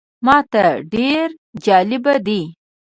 ماته ډېر جالبه دی.